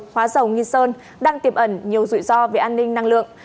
hóa dầu nghiên sơn đang tiêm ẩn nhiều rủi ro về an ninh năng lượng